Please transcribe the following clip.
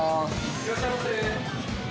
いらっしゃいませ。